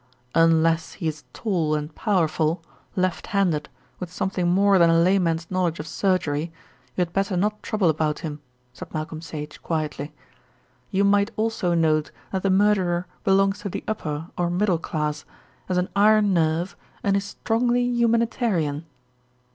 "Unless he is tall and powerful, left handed, with something more than a layman's knowledge of surgery, you had better not trouble about him," said Malcolm Sage quietly. "You might also note that the murderer belongs to the upper, or middle class, has an iron nerve, and is strongly humanitarian."